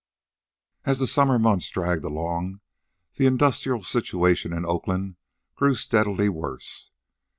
As the summer months dragged along, the industrial situation in Oakland grew steadily worse.